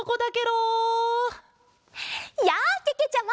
やあけけちゃま！